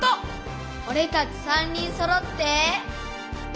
オレたち３人そろって。